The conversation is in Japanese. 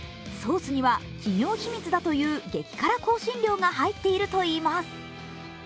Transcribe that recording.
ソースには企業秘密だという激辛香辛料が入っているといいます。